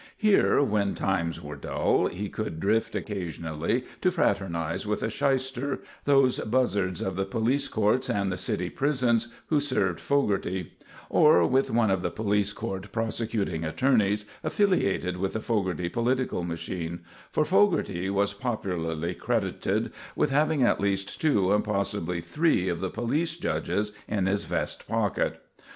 Here, when times were dull, he could drift occasionally to fraternise with a "shyster," those buzzards of the police courts and the city prisons who served Fogarty; or with one of the police court prosecuting attorneys affiliated with the Fogarty political machine, for Fogarty was popularly credited with having at least two and possibly three of the police judges in his vest pocket.